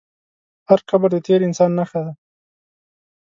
هر قبر د تېر انسان نښه ده.